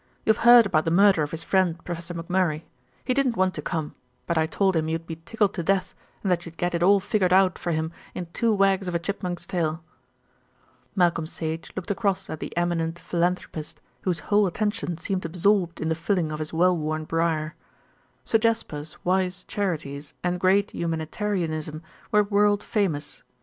"You've heard about the murder of his friend Professor McMurray. He didn't want to come; but I told him you'd be tickled to death, and that you'd get it all figured out for him in two wags of a chipmunk's tail." Malcolm Sage looked across at the eminent philanthropist, whose whole attention seemed absorbed in the filling of his well worn briar. Sir Jasper's wise charities and great humanitarianism were world famous.